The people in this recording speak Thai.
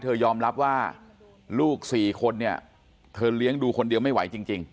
ยอมรับว่าลูก๔คนเนี่ยเธอเลี้ยงดูคนเดียวไม่ไหวจริง